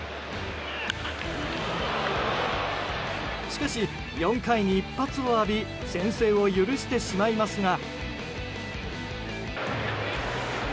しかし、４回に一発を浴び先制を許してしまいますが。